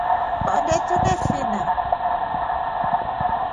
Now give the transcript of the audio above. Onde tunefina.